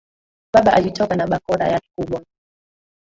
Baba alitoka na bakora yake kubwa